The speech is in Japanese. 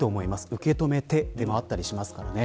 受け止めてでもあったりしますからね。